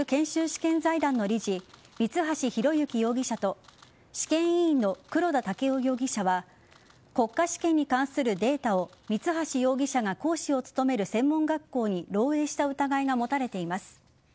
試験財団の理事三橋裕之容疑者と試験委員の黒田剛生容疑者は国家試験に関するデータを三橋容疑者が講師を務める専門学校に漏えいした疑いが持たれています。